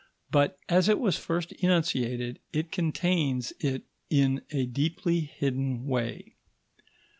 But as it was first enunciated, it contains it in a deeply hidden way.